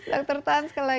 dokter tan sekali lagi